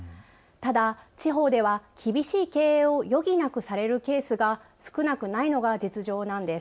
ただ地方では厳しい経営を余儀なくされるケースが少なくないのが実情なんです。